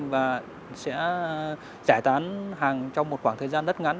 và sẽ giải tán hàng trong một khoảng thời gian rất ngắn